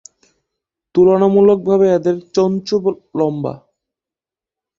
তুলনামূলকভাবে এদের চঞ্চু লম্বা।